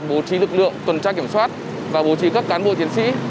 bố trí lực lượng tuần tra kiểm soát và bố trí các cán bộ chiến sĩ